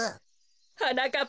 はなかっ